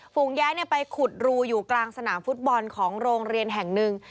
ฝูงย้ายไปขุดรูอยู่กลางสนามฟุตบอลของโรงเรียนแห่งหนึ่ง